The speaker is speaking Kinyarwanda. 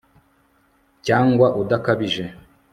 cyangwa udakabije